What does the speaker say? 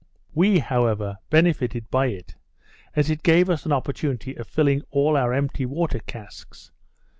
We, however, benefited by it, as it gave us an opportunity of filling all our empty water casks.